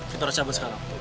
kita recaba sekarang